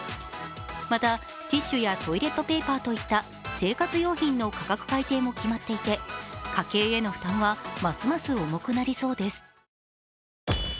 また、ティッシュやトイレットペーパーといった生活用品の価格改定も決まっていて家計への負担は、ますます重くなりそうです。